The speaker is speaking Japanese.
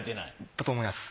だと思います。